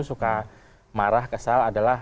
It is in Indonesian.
suka marah kesal adalah